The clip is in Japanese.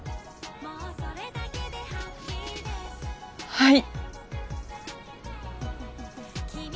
はい。